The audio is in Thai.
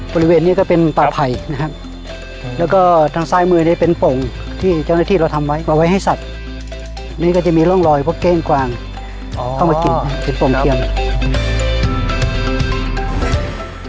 บริเวณนี้ก็เป็นป่าไผ่นะครับแล้วก็ทางซ้ายมือเนี่ยเป็นโป่งที่เจ้าหน้าที่เราทำไว้มาไว้ให้สัตว์นี่ก็จะมีร่องรอยพวกเก้งกวางเข้ามากินโป่งเทียม